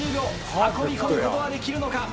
運び込むことはできるのか？